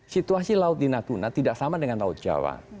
situasi laut di natuna tidak sama dengan laut jawa